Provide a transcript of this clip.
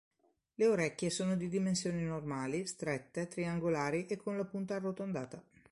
Le orecchie sono di dimensioni normali, strette, triangolari e con la punta arrotondata.